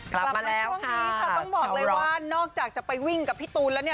กลับมาช่วงนี้ค่ะต้องบอกเลยว่านอกจากจะไปวิ่งกับพี่ตูนแล้วเนี่ย